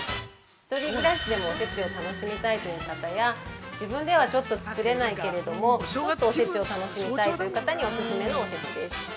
ひとり暮らしでもおせちを楽しみたいという方や自分ではちょっと作れないけれども、ちょっとおせちを楽しみたいという方のおせちです。